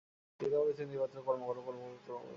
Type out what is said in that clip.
গীতা বলিতেছেন, দিবারাত্র কর্ম কর, কর্ম কর, কর্ম কর।